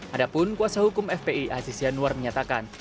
adapun kuasa hukum fpi aziz yanuar menyatakan